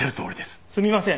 すみません。